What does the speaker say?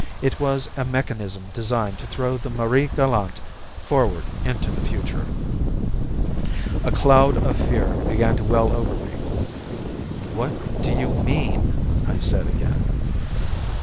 It was a mechanism designed to throw the Marie Galante forward into the future." A cloud of fear began to well over me. "What do you mean?" I said again.